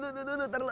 aduh ntar lu